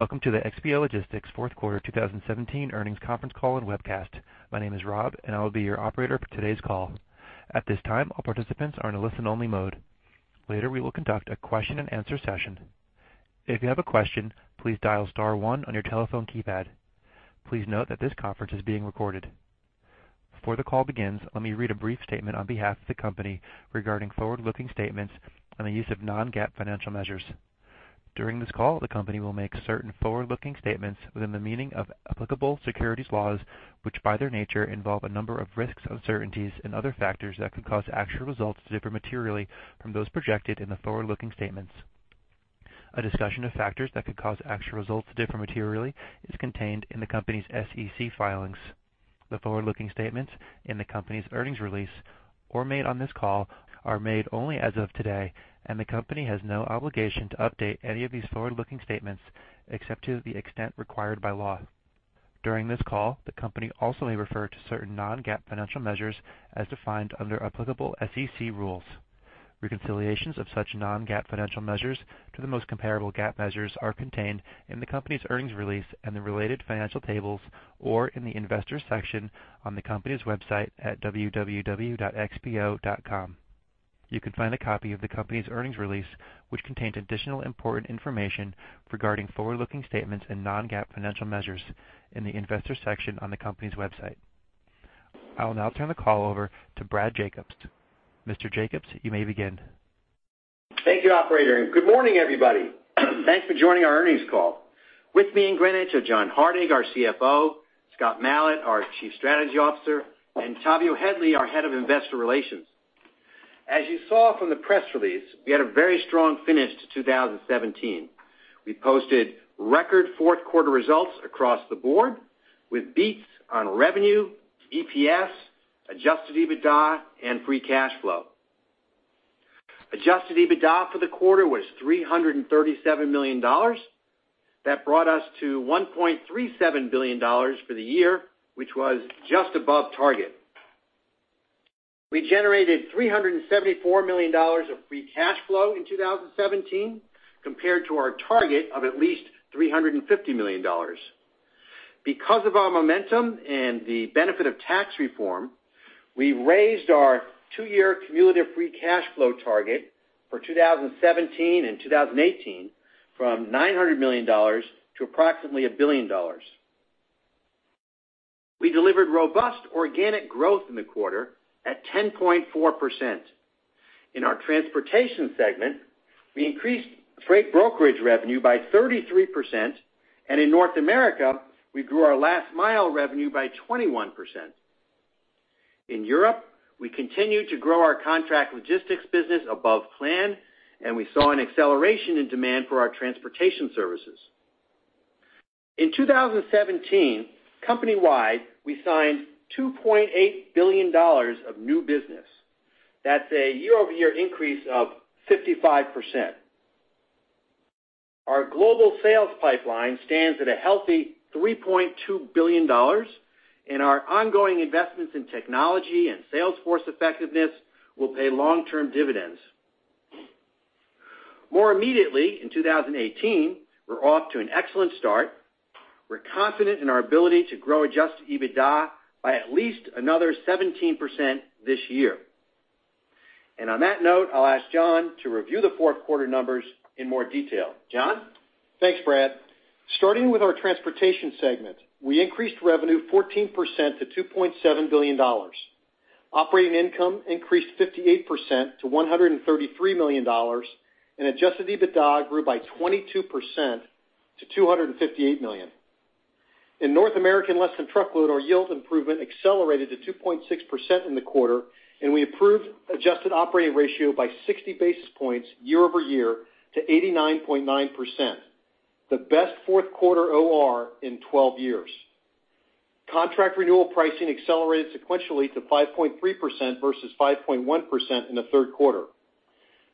Welcome to the XPO Logistics fourth quarter 2017 earnings conference call and webcast. My name is Rob, and I will be your operator for today's call. At this time, all participants are in a listen-only mode. Later, we will conduct a question-and-answer session. If you have a question, please dial star one on your telephone keypad. Please note that this conference is being recorded. Before the call begins, let me read a brief statement on behalf of the company regarding forward-looking statements and the use of Non-GAAP financial measures. During this call, the company will make certain forward-looking statements within the meaning of applicable securities laws, which, by their nature, involve a number of risks, uncertainties and other factors that could cause actual results to differ materially from those projected in the forward-looking statements. A discussion of factors that could cause actual results to differ materially is contained in the company's SEC filings. The forward-looking statements in the company's earnings release or made on this call are made only as of today, and the company has no obligation to update any of these forward-looking statements, except to the extent required by law. During this call, the company also may refer to certain non-GAAP financial measures as defined under applicable SEC rules. Reconciliations of such non-GAAP financial measures to the most comparable GAAP measures are contained in the company's earnings release and the related financial tables, or in the Investors section on the company's website at www.xpo.com. You can find a copy of the company's earnings release, which contains additional important information regarding forward-looking statements and non-GAAP financial measures in the Investors section on the company's website. I will now turn the call over to Brad Jacobs. Mr. Jacobs, you may begin. Thank you, operator, and good morning, everybody. Thanks for joining our earnings call. With me in Greenwich are John Hardig, our CFO, Scott Malat, our Chief Strategy Officer, and Tavio Headley, our Head of Investor Relations. As you saw from the press release, we had a very strong finish to 2017. We posted record fourth quarter results across the board, with beats on revenue, EPS, adjusted EBITDA, and free cash flow. Adjusted EBITDA for the quarter was $337 million. That brought us to $1.37 billion for the year, which was just above target. We generated $374 million of free cash flow in 2017, compared to our target of at least $350 million. Because of our momentum and the benefit of tax reform, we raised our two-year cumulative free cash flow target for 2017 and 2018 from $900 million to approximately $1 billion. We delivered robust organic growth in the quarter at 10.4%. In our transportation segment, we increased freight brokerage revenue by 33%, and in North America, we grew our last mile revenue by 21%. In Europe, we continued to grow our contract logistics business above plan, and we saw an acceleration in demand for our transportation services. In 2017, company-wide, we signed $2.8 billion of new business. That's a year-over-year increase of 55%. Our global sales pipeline stands at a healthy $3.2 billion, and our ongoing investments in technology and sales force effectiveness will pay long-term dividends. More immediately, in 2018, we're off to an excellent start. We're confident in our ability to grow Adjusted EBITDA by at least another 17% this year. And on that note, I'll ask John to review the fourth quarter numbers in more detail. John? Thanks, Brad. Starting with our transportation segment, we increased revenue 14% to $2.7 billion. Operating income increased 58% to $133 million, and adjusted EBITDA grew by 22% to $258 million. In North American less-than-truckload, our yield improvement accelerated to 2.6% in the quarter, and we improved adjusted operating ratio by 60 basis points year-over-year to 89.9%, the best fourth quarter OR in twelve years. Contract renewal pricing accelerated sequentially to 5.3% versus 5.1% in the third quarter.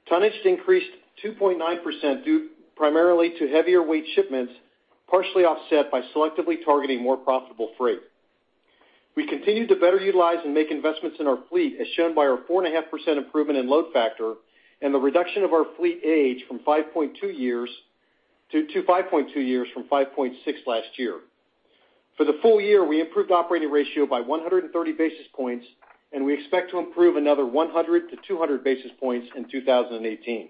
Tonnage increased 2.9%, due primarily to heavier weight shipments, partially offset by selectively targeting more profitable freight. We continued to better utilize and make investments in our fleet, as shown by our 4.5% improvement in load factor and the reduction of our fleet age from 5.2 years to 5.2 years from 5.6 last year. For the full year, we improved operating ratio by 130 basis points, and we expect to improve another 100-200 basis points in 2018.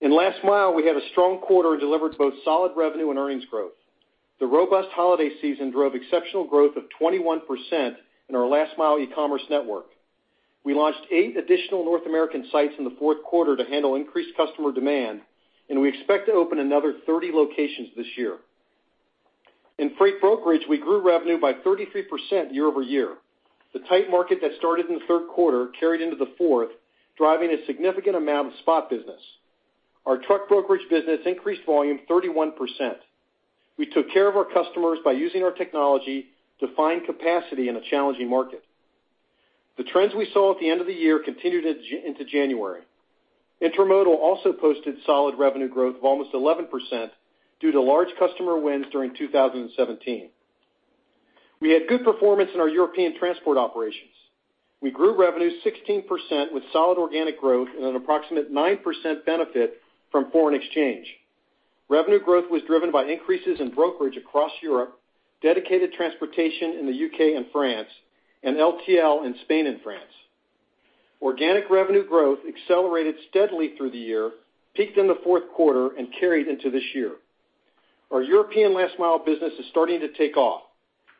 In last mile, we had a strong quarter and delivered both solid revenue and earnings growth. The robust holiday season drove exceptional growth of 21% in our last mile e-commerce network. We launched 8 additional North American sites in the fourth quarter to handle increased customer demand, and we expect to open another 30 locations this year. In freight brokerage, we grew revenue by 33% year-over-year. The tight market that started in the third quarter carried into the fourth, driving a significant amount of spot business. Our truck brokerage business increased volume 31%. We took care of our customers by using our technology to find capacity in a challenging market. The trends we saw at the end of the year continued into January. Intermodal also posted solid revenue growth of almost 11% due to large customer wins during 2017. We had good performance in our European transport operations. We grew revenue 16% with solid organic growth and an approximate 9% benefit from foreign exchange. Revenue growth was driven by increases in brokerage across Europe, dedicated transportation in the U.K. and France, and LTL in Spain and France. Organic revenue growth accelerated steadily through the year, peaked in the fourth quarter, and carried into this year. Our European last-mile business is starting to take off.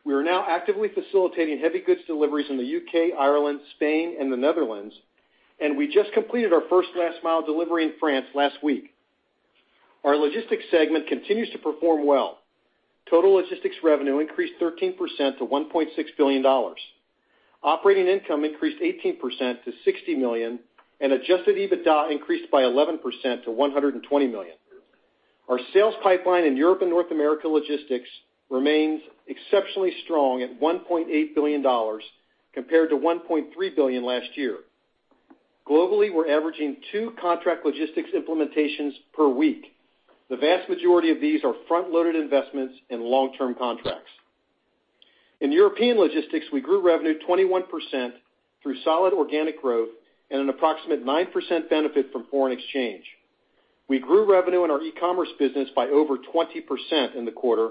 We are now actively facilitating heavy goods deliveries in the U.K., Ireland, Spain, and the Netherlands, and we just completed our first last-mile delivery in France last week. Our logistics segment continues to perform well. Total logistics revenue increased 13% to $1.6 billion. Operating income increased 18% to $60 million, and Adjusted EBITDA increased by 11% to $120 million. Our sales pipeline in Europe and North America logistics remains exceptionally strong at $1.8 billion, compared to $1.3 billion last year. Globally, we're averaging two contract logistics implementations per week. The vast majority of these are front-loaded investments and long-term contracts. In European logistics, we grew revenue 21% through solid organic growth and an approximate 9% benefit from foreign exchange. We grew revenue in our e-commerce business by over 20% in the quarter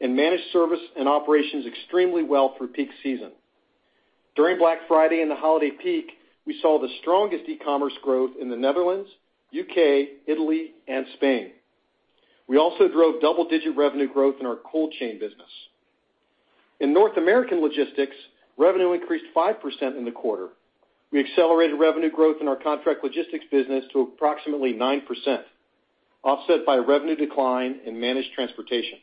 and managed service and operations extremely well through peak season. During Black Friday and the holiday peak, we saw the strongest e-commerce growth in the Netherlands, U.K., Italy, and Spain. We also drove double-digit revenue growth in our cold chain business. In North American logistics, revenue increased 5% in the quarter. We accelerated revenue growth in our contract logistics business to approximately 9%, offset by revenue decline in managed transportation.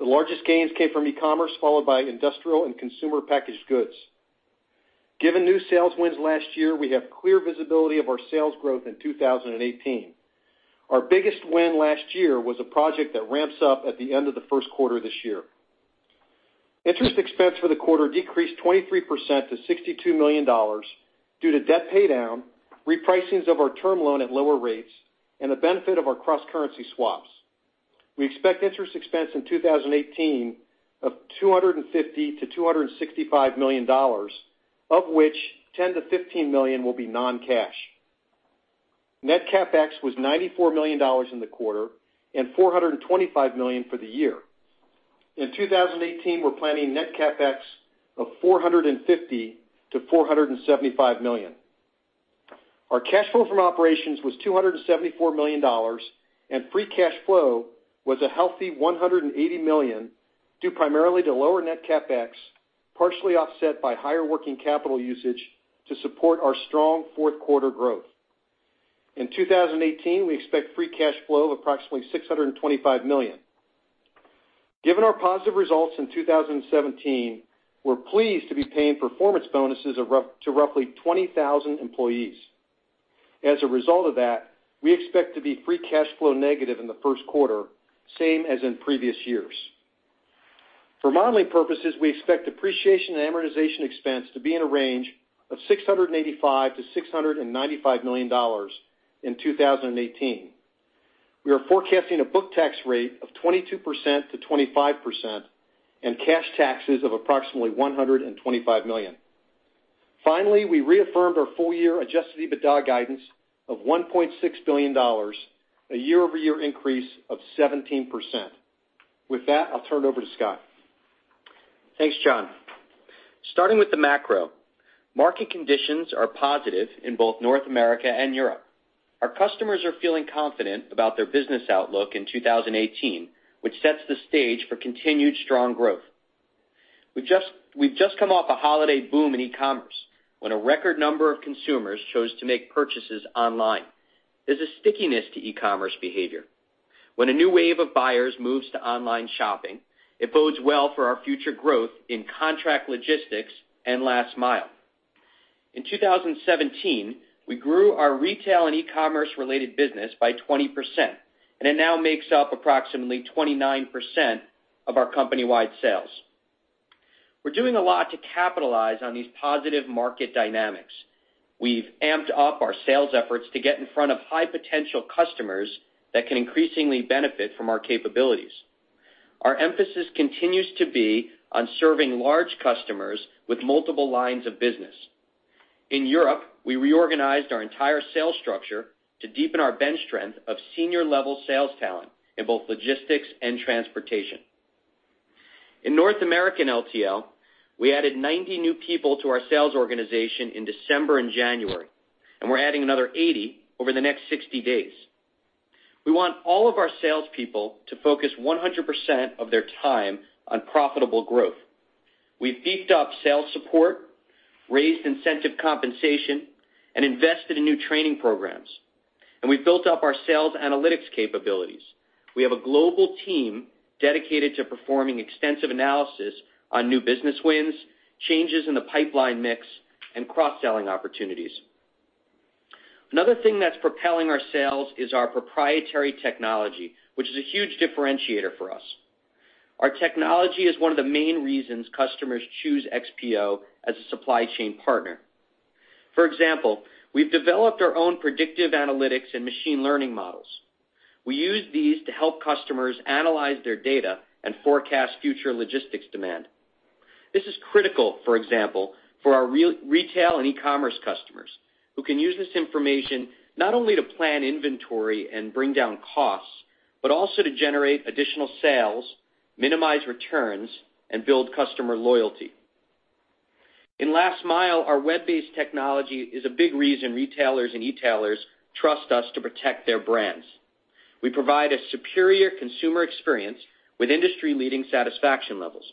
The largest gains came from e-commerce, followed by industrial and consumer packaged goods. Given new sales wins last year, we have clear visibility of our sales growth in 2018. Our biggest win last year was a project that ramps up at the end of the first quarter this year. Interest expense for the quarter decreased 23% to $62 million due to debt paydown, repricings of our term loan at lower rates, and the benefit of our cross-currency swaps. We expect interest expense in 2018 of $250 million-$265 million, of which $10 million-$15 million will be non-cash. Net CapEx was $94 million in the quarter and $425 million for the year. In 2018, we're planning net CapEx of $450 million-$475 million. Our cash flow from operations was $274 million, and free cash flow was a healthy $180 million, due primarily to lower net CapEx, partially offset by higher working capital usage to support our strong fourth quarter growth. In 2018, we expect free cash flow of approximately $625 million. Given our positive results in 2017, we're pleased to be paying performance bonuses of roughly 20,000 employees. As a result of that, we expect to be free cash flow negative in the first quarter, same as in previous years. For modeling purposes, we expect depreciation and amortization expense to be in a range of $685 million-$695 million in 2018. We are forecasting a book tax rate of 22%-25% and cash taxes of approximately $125 million. Finally, we reaffirmed our full-year Adjusted EBITDA guidance of $1.6 billion, a year-over-year increase of 17%. With that, I'll turn it over to Scott. Thanks, John. Starting with the macro, market conditions are positive in both North America and Europe. Our customers are feeling confident about their business outlook in 2018, which sets the stage for continued strong growth. We've just come off a holiday boom in e-commerce, when a record number of consumers chose to make purchases online. There's a stickiness to e-commerce behavior. When a new wave of buyers moves to online shopping, it bodes well for our future growth in contract logistics and last mile. In 2017, we grew our retail and e-commerce-related business by 20%, and it now makes up approximately 29% of our company-wide sales. We're doing a lot to capitalize on these positive market dynamics. We've amped up our sales efforts to get in front of high-potential customers that can increasingly benefit from our capabilities. Our emphasis continues to be on serving large customers with multiple lines of business. In Europe, we reorganized our entire sales structure to deepen our bench strength of senior-level sales talent in both logistics and transportation. In North American LTL, we added 90 new people to our sales organization in December and January, and we're adding another 80 over the next 60 days. We want all of our salespeople to focus 100% of their time on profitable growth. We've beefed up sales support, raised incentive compensation, and invested in new training programs, and we've built up our sales analytics capabilities. We have a global team dedicated to performing extensive analysis on new business wins, changes in the pipeline mix, and cross-selling opportunities. Another thing that's propelling our sales is our proprietary technology, which is a huge differentiator for us. Our technology is one of the main reasons customers choose XPO as a supply chain partner. For example, we've developed our own predictive analytics and machine learning models. We use these to help customers analyze their data and forecast future logistics demand. This is critical, for example, for our retail and e-commerce customers, who can use this information not only to plan inventory and bring down costs, but also to generate additional sales, minimize returns, and build customer loyalty. In last mile, our web-based technology is a big reason retailers and e-tailers trust us to protect their brands. We provide a superior consumer experience with industry-leading satisfaction levels.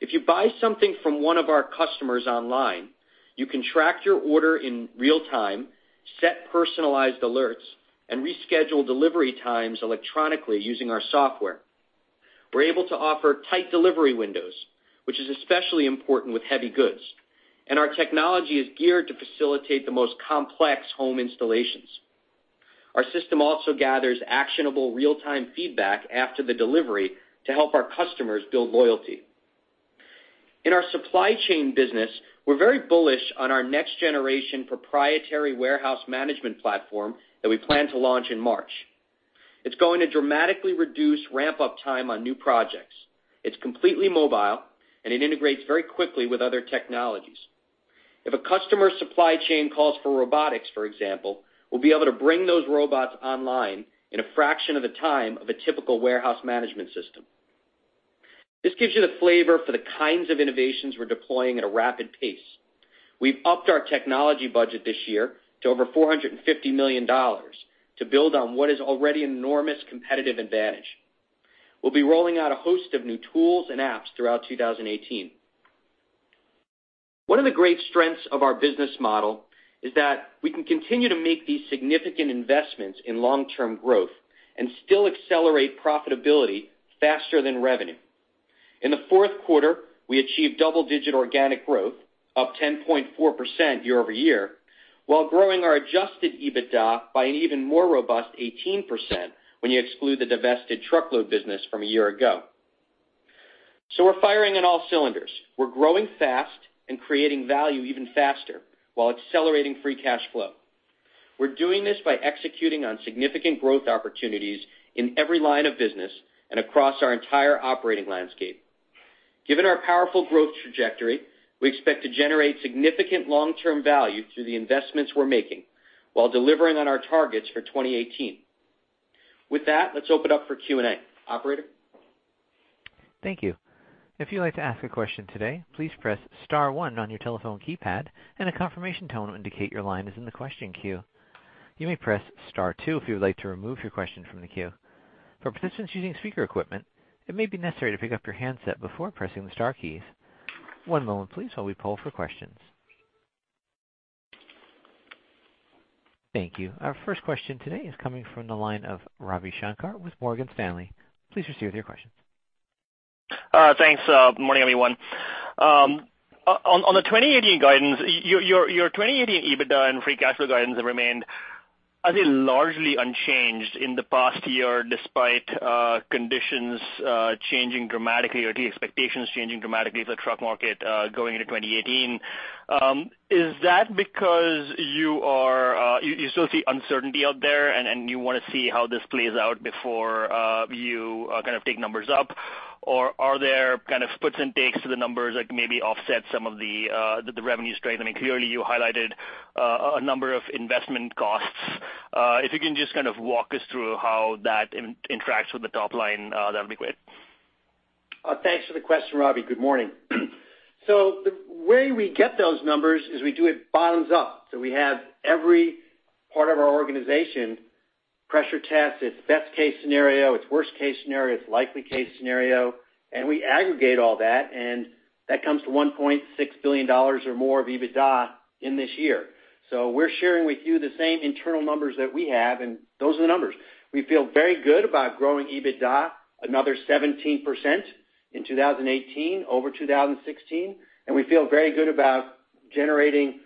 If you buy something from one of our customers online, you can track your order in real time, set personalized alerts, and reschedule delivery times electronically using our software. We're able to offer tight delivery windows, which is especially important with heavy goods, and our technology is geared to facilitate the most complex home installations. Our system also gathers actionable real-time feedback after the delivery to help our customers build loyalty. In our supply chain business, we're very bullish on our next generation proprietary warehouse management platform that we plan to launch in March. It's going to dramatically reduce ramp-up time on new projects. It's completely mobile, and it integrates very quickly with other technologies. If a customer's supply chain calls for robotics, for example, we'll be able to bring those robots online in a fraction of the time of a typical warehouse management system. This gives you the flavor for the kinds of innovations we're deploying at a rapid pace. We've upped our technology budget this year to over $450 million to build on what is already an enormous competitive advantage. We'll be rolling out a host of new tools and apps throughout 2018. One of the great strengths of our business model is that we can continue to make these significant investments in long-term growth and still accelerate profitability faster than revenue. In the fourth quarter, we achieved double-digit organic growth, up 10.4% year-over-year, while growing our Adjusted EBITDA by an even more robust 18% when you exclude the divested truckload business from a year ago. So we're firing on all cylinders. We're growing fast and creating value even faster, while accelerating free cash flow. We're doing this by executing on significant growth opportunities in every line of business and across our entire operating landscape. Given our powerful growth trajectory, we expect to generate significant long-term value through the investments we're making, while delivering on our targets for 2018. With that, let's open up for Q&A. Operator? Thank you. If you'd like to ask a question today, please press star one on your telephone keypad, and a confirmation tone will indicate your line is in the question queue. You may press star two if you would like to remove your question from the queue. For participants using speaker equipment, it may be necessary to pick up your handset before pressing the star keys. One moment, please, while we poll for questions. Thank you. Our first question today is coming from the line of Ravi Shanker with Morgan Stanley. Please proceed with your question. Thanks, good morning, everyone. On the 2018 guidance, your 2018 EBITDA and free cash flow guidance have remained, I think, largely unchanged in the past year, despite conditions changing dramatically or the expectations changing dramatically for the truck market going into 2018. Is that because you still see uncertainty out there, and you want to see how this plays out before you kind of take numbers up? Or are there kind of puts and takes to the numbers that maybe offset some of the revenue strength? I mean, clearly, you highlighted a number of investment costs. If you can just kind of walk us through how that interacts with the top line, that'd be great. Thanks for the question, Ravi. Good morning. So the way we get those numbers is we do it bottoms up. So we have every part of our organization pressure test its best case scenario, its worst case scenario, its likely case scenario, and we aggregate all that, and that comes to $1.6 billion or more of EBITDA in this year. So we're sharing with you the same internal numbers that we have, and those are the numbers. We feel very good about growing EBITDA another 17% in 2018 over 2016, and we feel very good about generating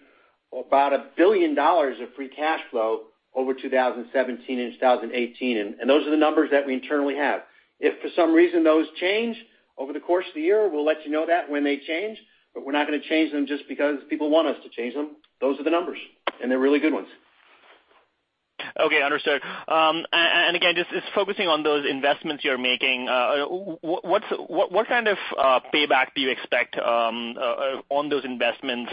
about $1 billion of free cash flow over 2017 and 2018, and those are the numbers that we internally have. If for some reason those change over the course of the year, we'll let you know that when they change, but we're not gonna change them just because people want us to change them. Those are the numbers, and they're really good ones. Okay, understood. And again, just focusing on those investments you're making, what kind of payback do you expect on those investments?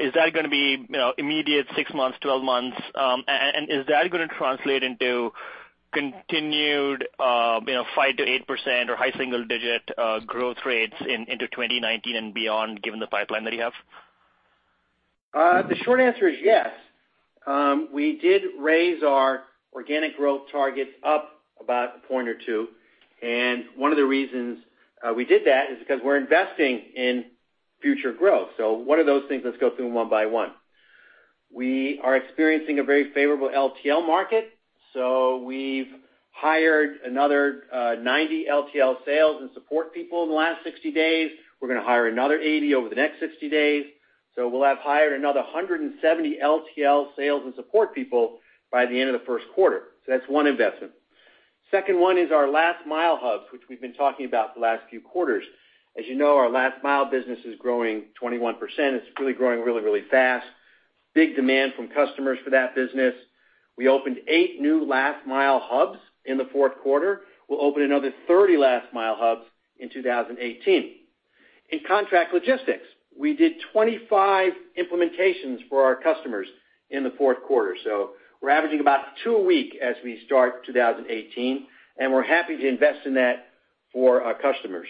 Is that gonna be, you know, immediate, 6 months, 12 months? And is that gonna translate into continued, you know, 5%-8% or high single-digit growth rates into 2019 and beyond, given the pipeline that you have? The short answer is yes. We did raise our organic growth targets up about a point or two, and one of the reasons we did that is because we're investing in future growth. So what are those things? Let's go through them one by one. We are experiencing a very favorable LTL market, so we've hired another 90 LTL sales and support people in the last 60 days. We're gonna hire another 80 over the next 60 days. So we'll have hired another 170 LTL sales and support people by the end of the first quarter. So that's one investment.... Second one is our last mile hubs, which we've been talking about the last few quarters. As you know, our last mile business is growing 21%. It's really growing really, really fast. Big demand from customers for that business. We opened 8 new last mile hubs in the fourth quarter. We'll open another 30 last mile hubs in 2018. In contract logistics, we did 25 implementations for our customers in the fourth quarter. So we're averaging about 2 a week as we start 2018, and we're happy to invest in that for our customers.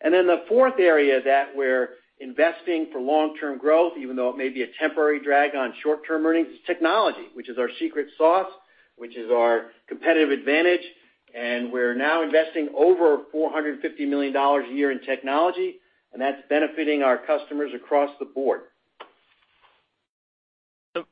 And then the fourth area that we're investing for long-term growth, even though it may be a temporary drag on short-term earnings, is technology, which is our secret sauce, which is our competitive advantage. We're now investing over $450 million a year in technology, and that's benefiting our customers across the board.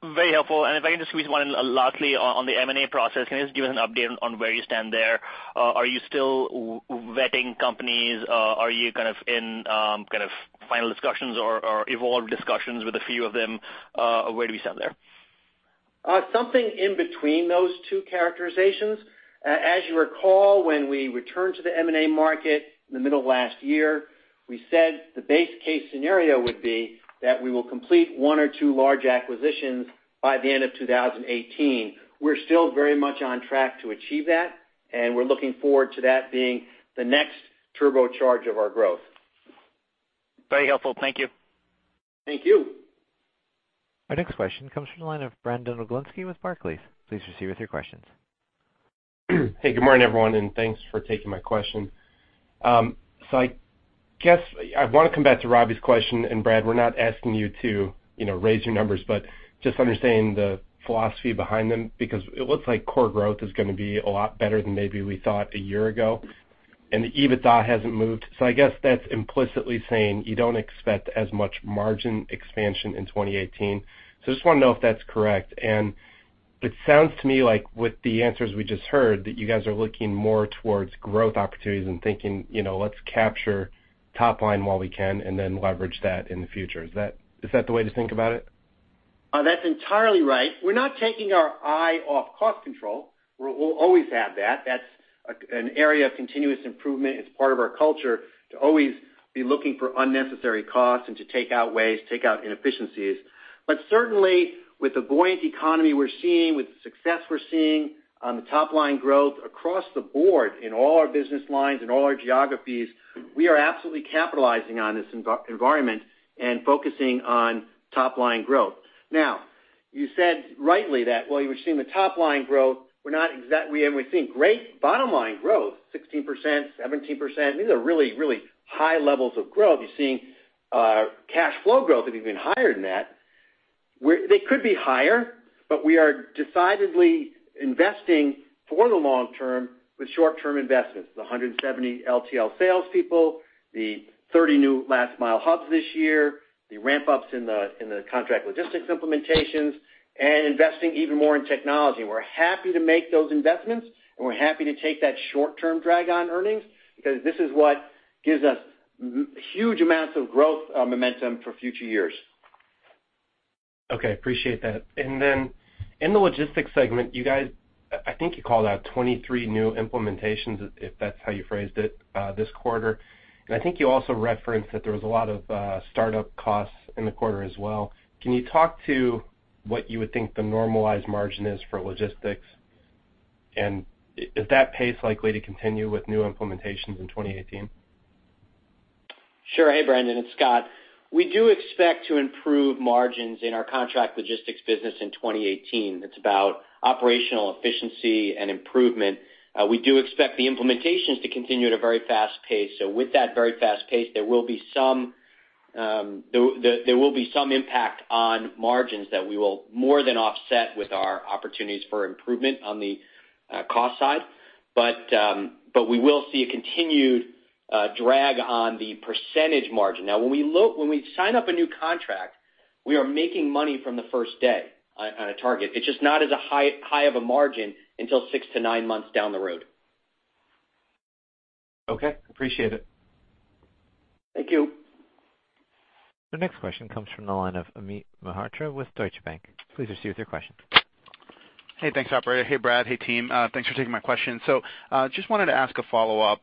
Very helpful. And if I can just squeeze one in lastly on the M&A process, can you just give us an update on where you stand there? Are you still vetting companies? Are you kind of in kind of final discussions or involved discussions with a few of them? Where do we stand there? Something in between those two characterizations. As you recall, when we returned to the M&A market in the middle of last year, we said the base case scenario would be that we will complete one or two large acquisitions by the end of 2018. We're still very much on track to achieve that, and we're looking forward to that being the next turbocharge of our growth. Very helpful. Thank you. Thank you. Our next question comes from the line of Brandon Oglenski with Barclays. Please proceed with your questions. Hey, good morning, everyone, and thanks for taking my question. So I guess I want to come back to Ravi's question, and Brad, we're not asking you to, you know, raise your numbers, but just understanding the philosophy behind them, because it looks like core growth is going to be a lot better than maybe we thought a year ago, and the EBITDA hasn't moved. So I guess that's implicitly saying you don't expect as much margin expansion in 2018. So I just want to know if that's correct. And it sounds to me like with the answers we just heard, that you guys are looking more towards growth opportunities and thinking, you know, let's capture top line while we can and then leverage that in the future. Is that, is that the way to think about it? That's entirely right. We're not taking our eye off cost control. We'll always have that. That's an area of continuous improvement. It's part of our culture to always be looking for unnecessary costs and to take out ways, take out inefficiencies. But certainly, with the buoyant economy we're seeing, with the success we're seeing on the top-line growth across the board in all our business lines and all our geographies, we are absolutely capitalizing on this environment and focusing on top-line growth. Now, you said rightly that while you were seeing the top line growth, we're not exactly seeing great bottom line growth, we think 16%, 17%. These are really, really high levels of growth. You're seeing cash flow growth have been higher than that. They could be higher, but we are decidedly investing for the long term with short-term investments, the 170 LTL salespeople, the 30 new last mile hubs this year, the ramp-ups in the, in the contract logistics implementations, and investing even more in technology. We're happy to make those investments, and we're happy to take that short-term drag on earnings because this is what gives us huge amounts of growth, momentum for future years. Okay, appreciate that. And then in the logistics segment, you guys, I think you called out 23 new implementations, if that's how you phrased it, this quarter. And I think you also referenced that there was a lot of startup costs in the quarter as well. Can you talk to what you would think the normalized margin is for logistics? And is that pace likely to continue with new implementations in 2018? Sure. Hey, Brandon, it's Scott. We do expect to improve margins in our contract logistics business in 2018. It's about operational efficiency and improvement. We do expect the implementations to continue at a very fast pace. So with that very fast pace, there will be some impact on margins that we will more than offset with our opportunities for improvement on the cost side. But we will see a continued drag on the percentage margin. Now, when we sign up a new contract, we are making money from the first day on a target. It's just not as high of a margin until 6-9 months down the road. Okay, appreciate it. Thank you. Our next question comes from the line of Amit Mehrotra with Deutsche Bank. Please proceed with your question. Hey, thanks, operator. Hey, Brad, hey, team. Thanks for taking my question. So, just wanted to ask a follow-up,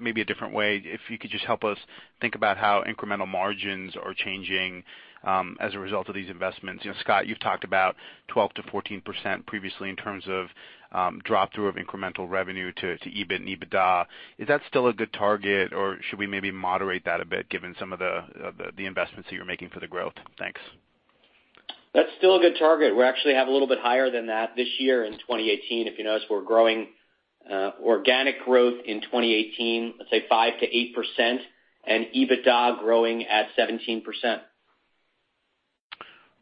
maybe a different way, if you could just help us think about how incremental margins are changing, as a result of these investments. You know, Scott, you've talked about 12%-14% previously in terms of, drop-through of incremental revenue to, to EBIT and EBITDA. Is that still a good target, or should we maybe moderate that a bit, given some of the, the investments that you're making for the growth? Thanks. That's still a good target. We actually have a little bit higher than that this year in 2018. If you notice, we're growing, organic growth in 2018, let's say 5%-8%, and EBITDA growing at 17%.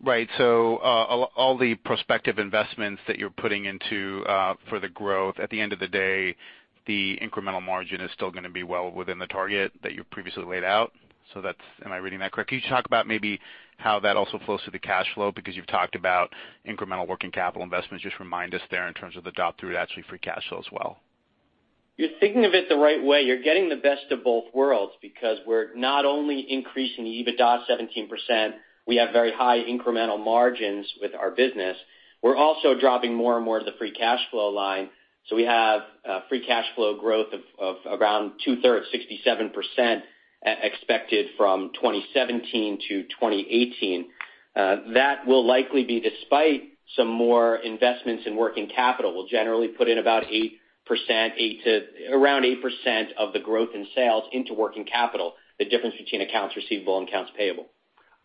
Right. So, all, all the prospective investments that you're putting into, for the growth, at the end of the day, the incremental margin is still going to be well within the target that you previously laid out. So that's. Am I reading that correctly? Can you talk about maybe how that also flows through the cash flow? Because you've talked about incremental working capital investments. Just remind us there in terms of the drop-through, actually, free cash flow as well. You're thinking of it the right way. You're getting the best of both worlds because we're not only increasing the EBITDA 17%, we have very high incremental margins with our business. We're also dropping more and more of the free cash flow line, so we have free cash flow growth of around two-thirds, 67%, expected from 2017 to 2018. That will likely be despite some more investments in working capital. We'll generally put in about 8% of the growth in sales into working capital, the difference between accounts receivable and accounts payable.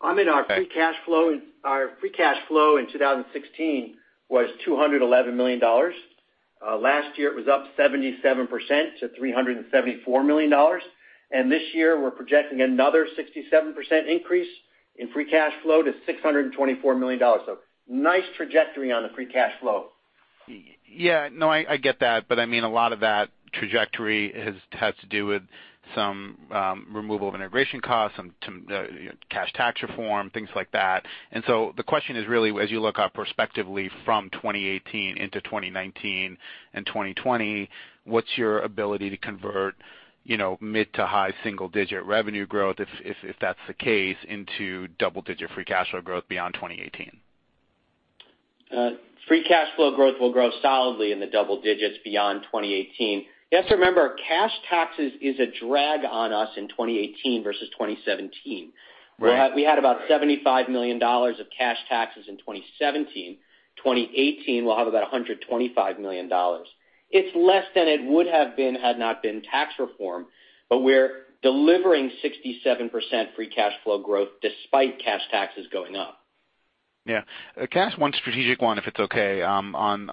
I mean, our free cash flow, our free cash flow in 2016 was $211 million. Last year, it was up 77% to $374 million. And this year, we're projecting another 67% increase in free cash flow to $624 million. Nice trajectory on the free cash flow. Yeah. No, I get that, but I mean, a lot of that trajectory has to do with some removal of integration costs, some, you know, cash tax reform, things like that. So the question is really, as you look out prospectively from 2018 into 2019 and 2020, what's your ability to convert, you know, mid- to high single-digit revenue growth, if that's the case, into double-digit free cash flow growth beyond 2018? Free cash flow growth will grow solidly in the double digits beyond 2018. You have to remember, cash taxes is a drag on us in 2018 versus 2017. Right. We had about $75 million of cash taxes in 2017. 2018, we'll have about $125 million. It's less than it would have been, had not been tax reform, but we're delivering 67% free cash flow growth despite cash taxes going up. Yeah. Can I ask one strategic one, if it's okay, on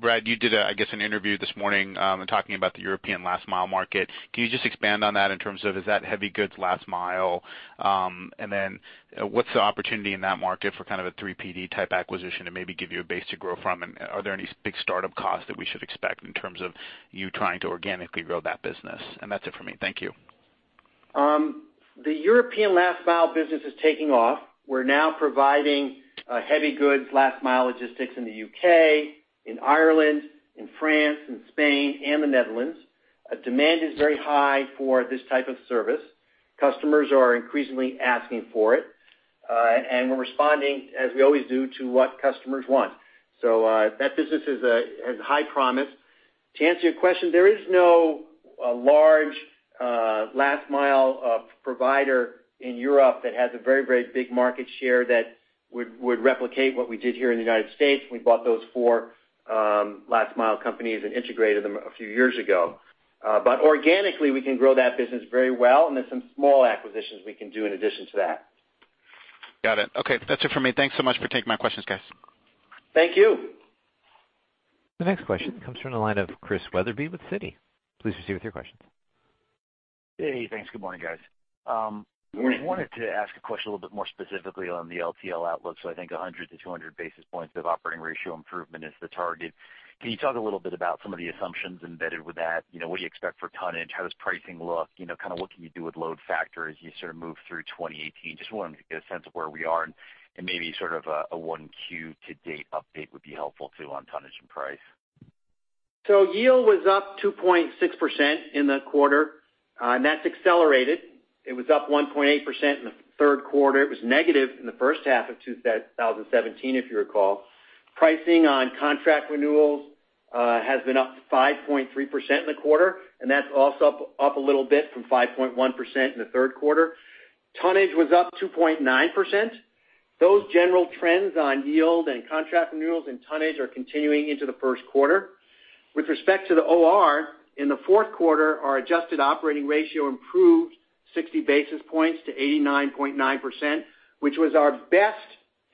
Brad, you did, I guess, an interview this morning, talking about the European last mile market. Can you just expand on that in terms of, is that heavy goods last mile? And then what's the opportunity in that market for kind of a 3PD type acquisition and maybe give you a base to grow from? And are there any big startup costs that we should expect in terms of you trying to organically grow that business? And that's it for me. Thank you. The European last mile business is taking off. We're now providing heavy goods last mile logistics in the U.K., in Ireland, in France, in Spain, and the Netherlands. The demand is very high for this type of service. Customers are increasingly asking for it, and we're responding, as we always do, to what customers want. So, that business has high promise. To answer your question, there is no large last mile provider in Europe that has a very, very big market share that would replicate what we did here in the United States. We bought those four last mile companies and integrated them a few years ago. But organically, we can grow that business very well, and there's some small acquisitions we can do in addition to that. Got it. Okay. That's it for me. Thanks so much for taking my questions, guys. Thank you. The next question comes from the line of Chris Wetherbee with Citi. Please proceed with your questions. Hey, thanks. Good morning, guys. I wanted to ask a question a little bit more specifically on the LTL outlook. So I think 100-200 basis points of operating ratio improvement is the target. Can you talk a little bit about some of the assumptions embedded with that? You know, what do you expect for tonnage? How does pricing look? You know, kind of what can you do with load factor as you sort of move through 2018? Just want to get a sense of where we are and maybe sort of a 1Q to date update would be helpful too, on tonnage and price. So yield was up 2.6% in the quarter, and that's accelerated. It was up 1.8% in the third quarter. It was negative in the first half of 2017, if you recall. Pricing on contract renewals has been up 5.3% in the quarter, and that's also up, up a little bit from 5.1% in the third quarter. Tonnage was up 2.9%. Those general trends on yield and contract renewals and tonnage are continuing into the first quarter. With respect to the OR, in the fourth quarter, our adjusted operating ratio improved 60 basis points to 89.9%, which was our best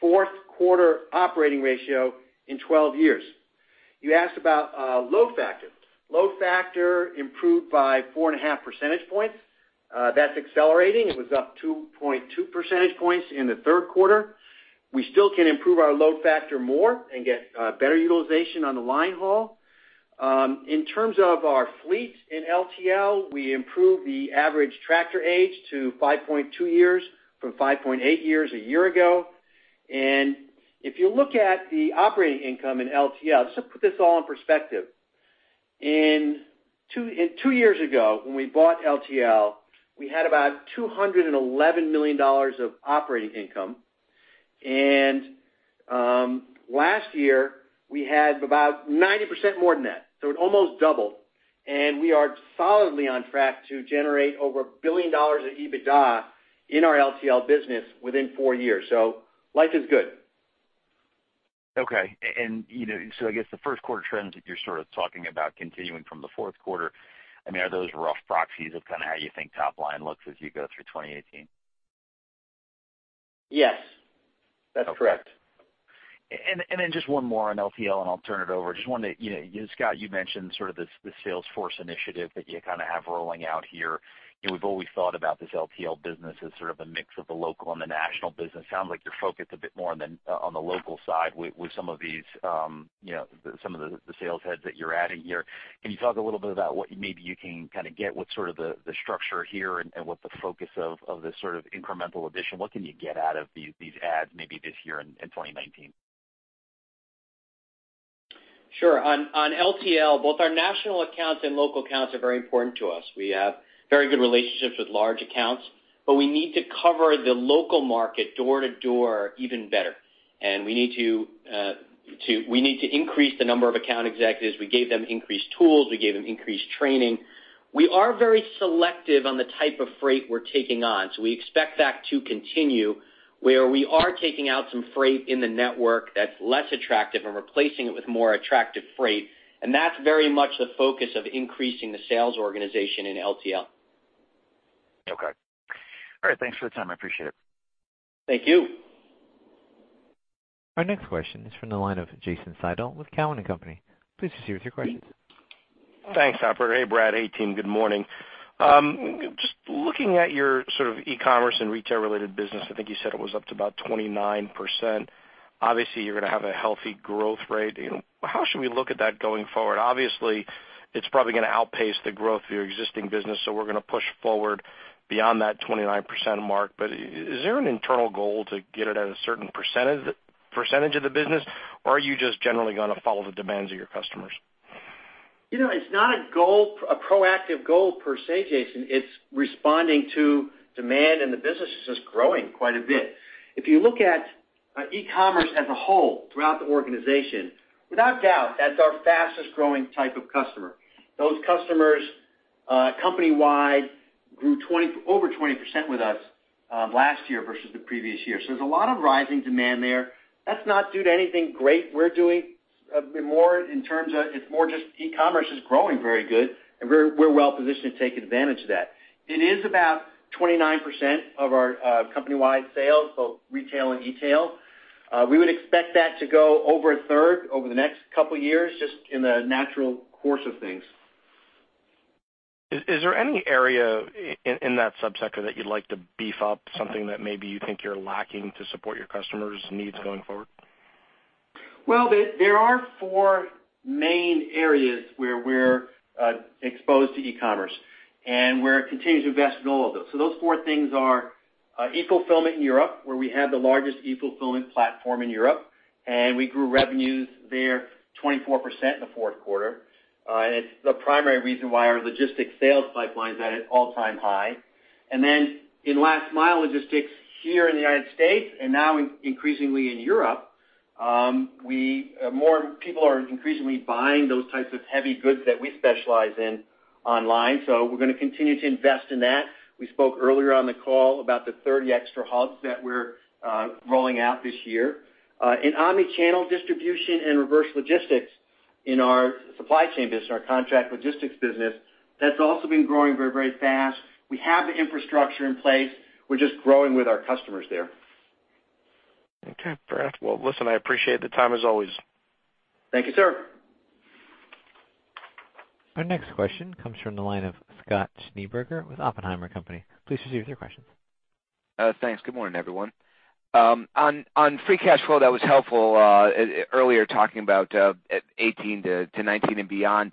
fourth quarter operating ratio in 12 years. You asked about load factor. Load factor improved by 4.5 percentage points. That's accelerating. It was up 2.2 percentage points in the third quarter. We still can improve our load factor more and get better utilization on the line haul. In terms of our fleets in LTL, we improved the average tractor age to 5.2 years from 5.8 years a year ago. And if you look at the operating income in LTL, just to put this all in perspective, 2 years ago, when we bought LTL, we had about $211 million of operating income. And last year, we had about 90% more than that. So it almost doubled, and we are solidly on track to generate over $1 billion of EBITDA in our LTL business within 4 years. So life is good. Okay. You know, so I guess the first quarter trends that you're sort of talking about continuing from the fourth quarter, I mean, are those rough proxies of kind of how you think top line looks as you go through 2018? Yes, that's correct. Okay. And then just one more on LTL, and I'll turn it over. Just wanted to, you know, Scott, you mentioned sort of this, this sales force initiative that you kind of have rolling out here. You know, we've always thought about this LTL business as sort of a mix of the local and the national business. Sounds like you're focused a bit more on the, on the local side with, with some of these, you know, some of the, the sales heads that you're adding here. Can you talk a little bit about what maybe you can kind of get, what sort of the, the structure here and, and what the focus of, of this sort of incremental addition? What can you get out of these, these adds maybe this year in 2019? Sure. On LTL, both our national accounts and local accounts are very important to us. We have very good relationships with large accounts, but we need to cover the local market door-to-door even better, and we need to increase the number of account executives. We gave them increased tools, we gave them increased training. We are very selective on the type of freight we're taking on, so we expect that to continue, where we are taking out some freight in the network that's less attractive and replacing it with more attractive freight. And that's very much the focus of increasing the sales organization in LTL. Okay. All right, thanks for the time. I appreciate it. Thank you. Our next question is from the line of Jason Seidl with Cowen and Company. Please proceed with your questions. Thanks, operator. Hey, Brad, hey, team. Good morning. Just looking at your sort of e-commerce and retail-related business, I think you said it was up to about 29%. Obviously, you're going to have a healthy growth rate. How should we look at that going forward? Obviously, it's probably going to outpace the growth of your existing business, so we're going to push forward beyond that 29% mark. But is there an internal goal to get it at a certain percentage, percentage of the business? Or are you just generally going to follow the demands of your customers? You know, it's not a goal, a proactive goal per se, Jason. It's responding to demand, and the business is just growing quite a bit. If you look at e-commerce as a whole throughout the organization, without doubt, that's our fastest growing type of customer. Those customers, company-wide, grew over 20% with us last year versus the previous year. So there's a lot of rising demand there. That's not due to anything great we're doing, more in terms of, it's more just e-commerce is growing very good, and we're well-positioned to take advantage of that. It is about 29% of our company-wide sales, both retail and e-tail. We would expect that to go over a third over the next couple of years, just in the natural course of things. Is there any area in that sub-sector that you'd like to beef up, something that maybe you think you're lacking to support your customers' needs going forward? Well, there are four main areas where we're exposed to e-commerce, and we're continuing to invest in all of those. So those four things are e-fulfillment in Europe, where we have the largest e-fulfillment platform in Europe, and we grew revenues there 24% in the fourth quarter. And it's the primary reason why our logistics sales pipeline is at an all-time high. And then in last mile logistics here in the United States, and now increasingly in Europe, more people are increasingly buying those types of heavy goods that we specialize in online, so we're going to continue to invest in that. We spoke earlier on the call about the 30 extra hubs that we're rolling out this year. In omnichannel distribution and reverse logistics in our supply chain business, our contract logistics business, that's also been growing very, very fast. We have the infrastructure in place. We're just growing with our customers there. Okay, Brad. Well, listen, I appreciate the time, as always. Thank you, sir. Our next question comes from the line of Scott Schneeberger with Oppenheimer & Co. Please proceed with your question. Thanks. Good morning, everyone. On free cash flow, that was helpful earlier, talking about 2018 to 2019 and beyond.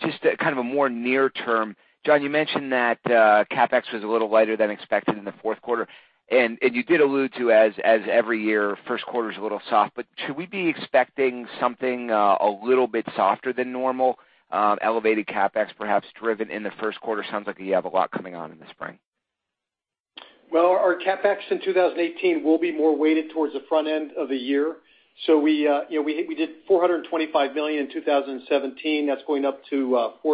Just kind of a more near term, John, you mentioned that CapEx was a little lighter than expected in the fourth quarter, and you did allude to, as every year, first quarter is a little soft. But should we be expecting something a little bit softer than normal, elevated CapEx, perhaps driven in the first quarter? Sounds like you have a lot coming on in the spring. Well, our CapEx in 2018 will be more weighted towards the front end of the year. So we, you know, we did $425 million in 2017. That's going up to $450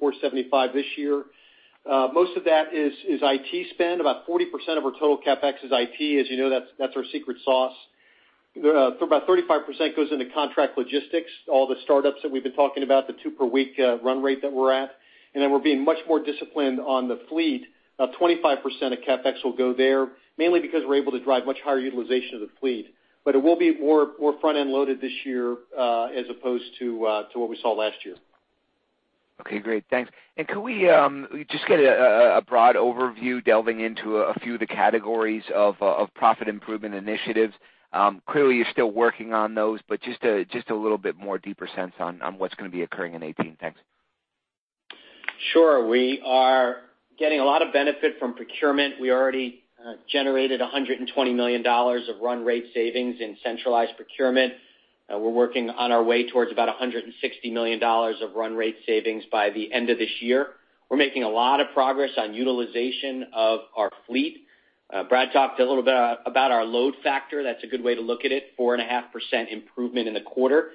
million-$475 million this year. Most of that is IT spend. About 40% of our total CapEx is IT. As you know, that's our secret sauce. About 35% goes into contract logistics, all the startups that we've been talking about, the two per week run rate that we're at. And then we're being much more disciplined on the fleet. About 25% of CapEx will go there, mainly because we're able to drive much higher utilization of the fleet. But it will be more front-end loaded this year, as opposed to what we saw last year. Okay, great. Thanks. And could we just get a broad overview delving into a few of the categories of profit improvement initiatives? Clearly, you're still working on those, but just a little bit more deeper sense on what's going to be occurring in 2018. Thanks. Sure. We are getting a lot of benefit from procurement. We already generated $120 million of run rate savings in centralized procurement. We're working our way towards about $160 million of run rate savings by the end of this year. We're making a lot of progress on utilization of our fleet. Brad talked a little bit about our load factor. That's a good way to look at it, 4.5% improvement in the quarter.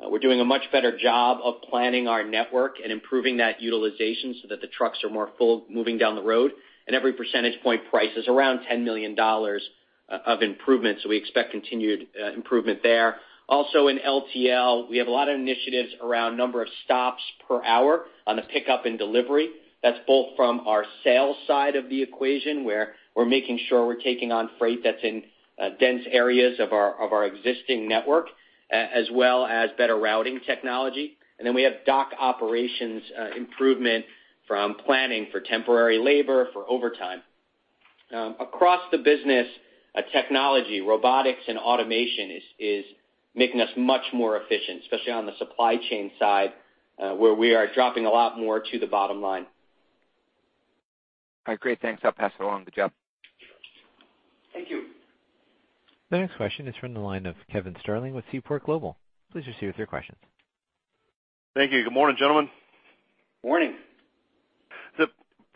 We're doing a much better job of planning our network and improving that utilization so that the trucks are more full, moving down the road, and every percentage point is around $10 million of improvements. So we expect continued improvement there. Also, in LTL, we have a lot of initiatives around number of stops per hour on a pickup and delivery. That's both from our sales side of the equation, where we're making sure we're taking on freight that's in dense areas of our existing network, as well as better routing technology. And then we have dock operations improvement from planning for temporary labor, for overtime. Across the business, technology, robotics and automation is making us much more efficient, especially on the supply chain side, where we are dropping a lot more to the bottom line. All right, great. Thanks. I'll pass it along to Jeff. Thank you. The next question is from the line of Kevin Sterling with Seaport Global. Please proceed with your questions. Thank you. Good morning, gentlemen. Morning! So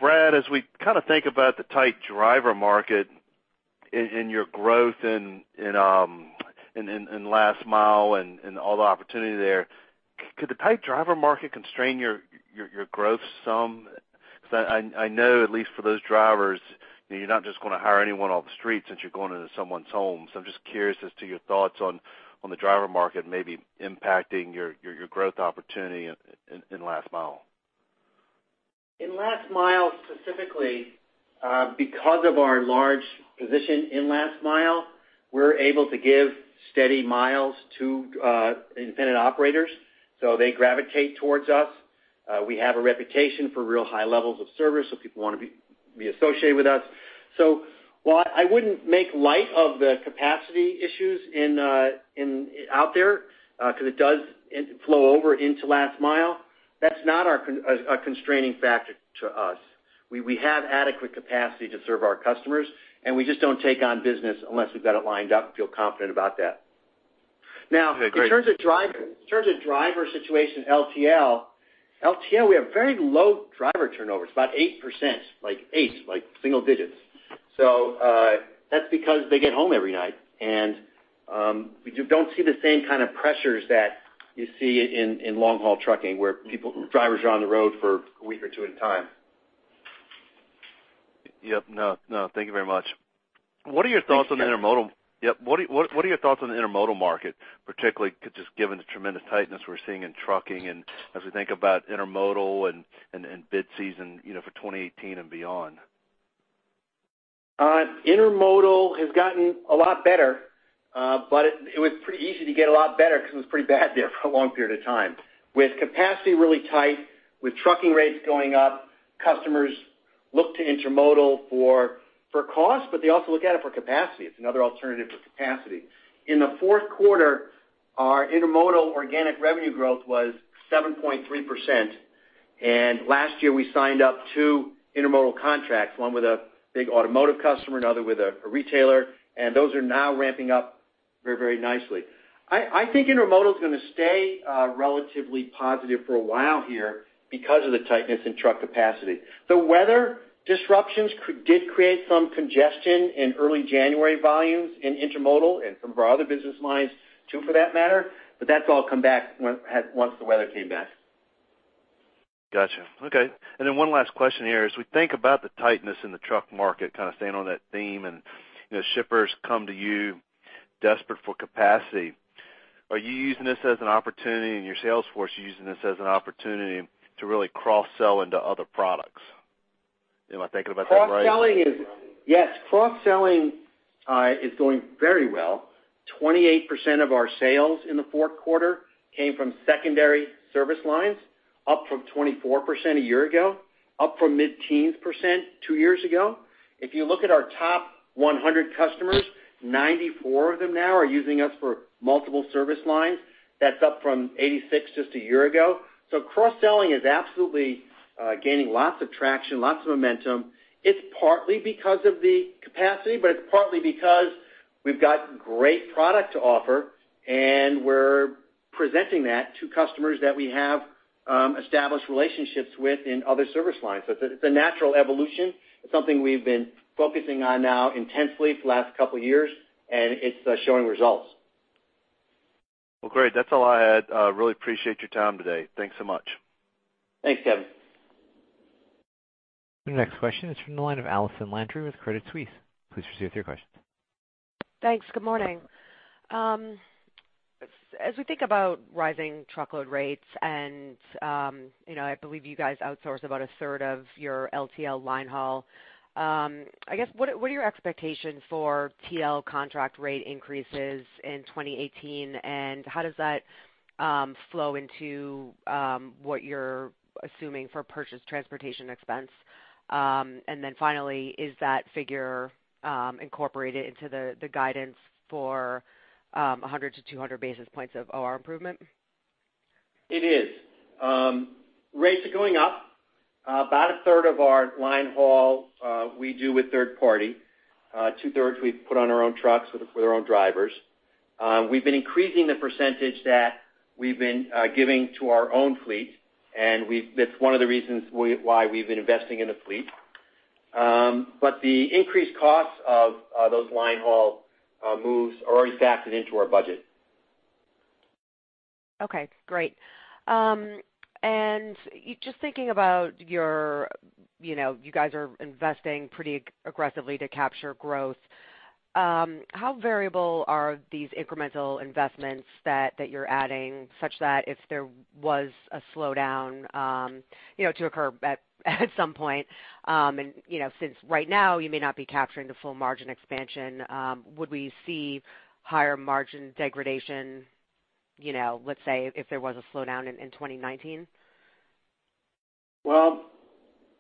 Brad, as we kind of think about the tight driver market in your growth in last mile and all the opportunity there, could the tight driver market constrain your growth some? Because I know, at least for those drivers, you're not just gonna hire anyone off the street, since you're going into someone's home. So I'm just curious as to your thoughts on the driver market maybe impacting your growth opportunity in last mile. In last mile, specifically, because of our large position in last mile, we're able to give steady miles to independent operators, so they gravitate towards us. We have a reputation for real high levels of service, so people want to be associated with us. So while I wouldn't make light of the capacity issues in out there, because it does flow over into last mile, that's not our constraining factor to us. We have adequate capacity to serve our customers, and we just don't take on business unless we've got it lined up and feel confident about that. Okay, great. Now, in terms of driver, in terms of driver situation, LTL, LTL, we have very low driver turnover. It's about 8%, like eight, like single digits. So, that's because they get home every night. And, we don't see the same kind of pressures that you see in, in long-haul trucking, where people, drivers are on the road for a week or two at a time. Yep. No, no, thank you very much. Thank you. What are your thoughts on the intermodal? Yep, what are your thoughts on the intermodal market, particularly just given the tremendous tightness we're seeing in trucking and as we think about intermodal and bid season, you know, for 2018 and beyond? Intermodal has gotten a lot better, but it was pretty easy to get a lot better because it was pretty bad there for a long period of time. With capacity really tight, with trucking rates going up, customers look to Intermodal for cost, but they also look at it for capacity. It's another alternative for capacity. In the fourth quarter, our Intermodal organic revenue growth was 7.3%, and last year, we signed up two Intermodal contracts, one with a big automotive customer, another with a retailer, and those are now ramping up very, very nicely. I think Intermodal is going to stay relatively positive for a while here because of the tightness in truck capacity. The weather disruptions did create some congestion in early January volumes in intermodal and some of our other business lines, too, for that matter, but that's all come back when once the weather came back. Gotcha. Okay, and then one last question here. As we think about the tightness in the truck market, kind of staying on that theme, and, you know, shippers come to you desperate for capacity, are you using this as an opportunity, and your sales force is using this as an opportunity to really cross-sell into other products? Am I thinking about that right? Cross-selling is. Yes, cross-selling is going very well. 28% of our sales in the fourth quarter came from secondary service lines, up from 24% a year ago, up from mid-teens% two years ago. If you look at our top 100 customers, 94 of them now are using us for multiple service lines. That's up from 86 just a year ago. So cross-selling is absolutely gaining lots of traction, lots of momentum. It's partly because of the capacity, but it's partly because we've got great product to offer, and we're presenting that to customers that we have established relationships with in other service lines. So it's a natural evolution. It's something we've been focusing on now intensely for the last couple of years, and it's showing results. Well, great. That's all I had. Really appreciate your time today. Thanks so much. Thanks, Kevin. The next question is from the line of Allison Landry with Credit Suisse. Please proceed with your questions. Thanks. Good morning. As we think about rising truckload rates and, you know, I believe you guys outsource about a third of your LTL line haul, I guess, what are your expectations for TL contract rate increases in 2018? And how does that flow into what you're assuming for purchased transportation expense? And then finally, is that figure incorporated into the guidance for 100-200 basis points of OR improvement? It is. Rates are going up. About a third of our line haul, we do with third party. Two thirds, we put on our own trucks with our own drivers. We've been increasing the percentage that we've been giving to our own fleet, and that's one of the reasons why we've been investing in the fleet. But the increased costs of those line haul moves are already factored into our budget. Okay, great. Just thinking about your... You know, you guys are investing pretty aggressively to capture growth. How variable are these incremental investments that you're adding, such that if there was a slowdown, you know, to occur at some point, and, you know, since right now, you may not be capturing the full margin expansion, would we see higher margin degradation, you know, let's say, if there was a slowdown in 2019? Well,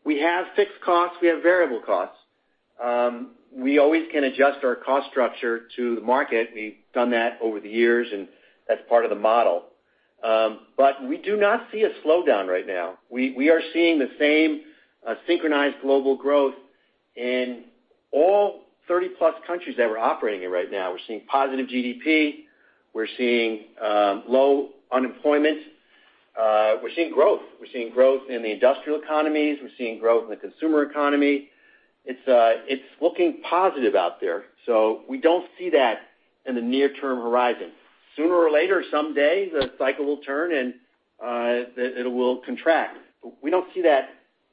we have fixed costs, we have variable costs. We always can adjust our cost structure to the market. We've done that over the years, and that's part of the model. But we do not see a slowdown right now. We are seeing the same synchronized global growth in all 30-plus countries that we're operating in right now. We're seeing positive GDP, we're seeing low unemployment, we're seeing growth. We're seeing growth in the industrial economies, we're seeing growth in the consumer economy. It's looking positive out there, so we don't see that in the near-term horizon. Sooner or later, someday, the cycle will turn, and it will contract. We don't see that